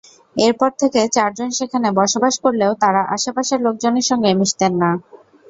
এরপর থেকে চারজন সেখানে বসবাস করলেও তাঁরা আশপাশের লোকজনের সঙ্গে মিশতেন না।